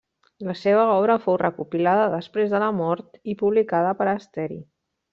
La seva obra fou recopilada després de la mort i publicada per Asteri.